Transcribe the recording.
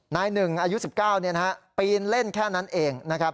นายหนึ่งอายุ๑๙ปีนเล่นแค่นั้นเองนะครับ